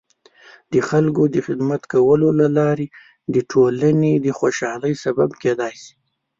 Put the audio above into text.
د خلکو د خدمت کولو له لارې د ټولنې د خوشحالۍ سبب کیدلای شي.